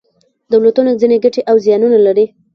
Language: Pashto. دولتونه ځینې ګټې او زیانونه لري.